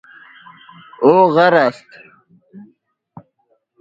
او غر است